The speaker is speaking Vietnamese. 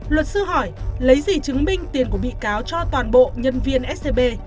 luật sư hỏi lấy gì chứng minh tiền của bị cáo cho toàn bộ nhân viên scb